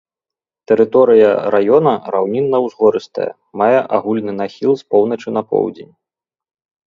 Тэрыторыя раёна раўнінна-узгорыстая, мае агульны нахіл з поўначы на поўдзень.